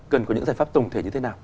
cần có những giải pháp tổng thể như thế nào